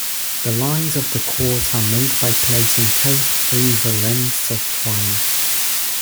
The lines of the court are made by placing tape over lengths of twine.